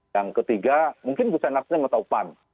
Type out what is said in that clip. yang ketiga mungkin bisa nasdem atau pan